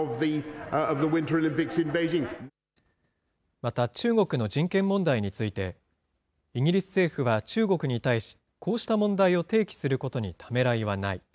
また中国の人権問題について、イギリス政府は中国に対し、こうした問題を提起することにためらいはない。